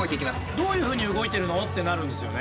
「どういうふうに動いてるの？」ってなるんですよね。